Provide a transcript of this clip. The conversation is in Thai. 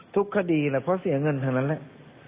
ทุกคดีแหละเพราะเสียเงินทั้งนั้นแหละ